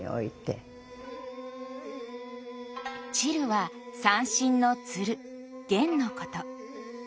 「絃」は三線のつる絃のこと。